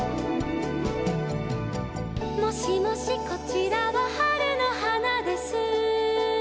「もしもしこちらは春の花です」